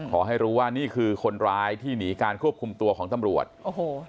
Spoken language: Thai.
ขอให้รู้ว่านี่คือคนร้ายที่หนีการควบคุมตัวของตำรวจโอ้โห